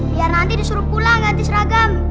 biar nanti disuruh pulang ganti seragam